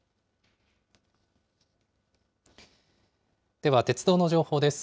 では鉄道の情報です。